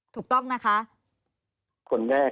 ถูกต้องนะคะ